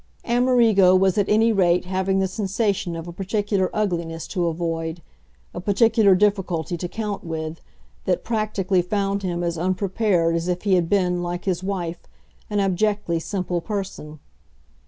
Amerigo was at any rate having the sensation of a particular ugliness to avoid, a particular difficulty to count with, that practically found him as unprepared as if he had been, like his wife, an abjectly simple person.